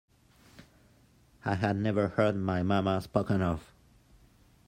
I had never heard my mama spoken of.